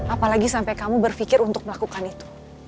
apalagi sampai kamu berpikir untuk melakukan itu